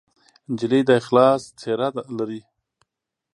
نجلۍ د اخلاص څېره لري.